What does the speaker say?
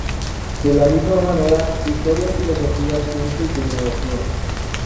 De la misma manera historia, filosofía, ciencia y tecnología.